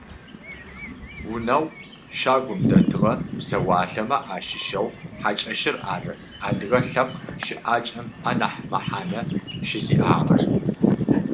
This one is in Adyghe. Унэу щагум дэтыгъэ псэуалъэмэ ащыщэу хьакӏэщыр ары адыгэ лъэпкъ щыӏакӏэм анахь мэхьанэ щызиӏагъэр.